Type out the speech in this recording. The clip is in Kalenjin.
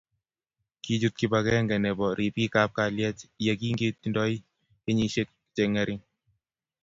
kichut kibagenge nebo ripik ab kalyet ye kingiotindoi kenyishet che ngering